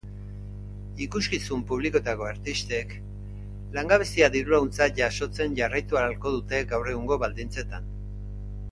Ikuskizun publikoetako artistek langabezia dirulaguntza jasotzen jarraitu ahalko dute gaur egungo baldintzetan.